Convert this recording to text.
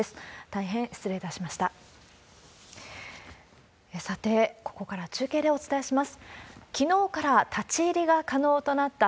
大変失礼いたしました。